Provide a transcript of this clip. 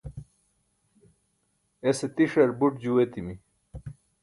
ese tiṣar buṭ juu etimi